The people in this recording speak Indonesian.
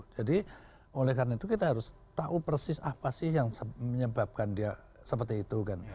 jadi oleh karena itu kita harus tahu persis apa sih yang menyebabkan dia seperti itu kan